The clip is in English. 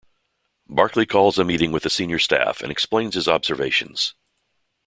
Barclay calls a meeting with the senior staff and explains his observations.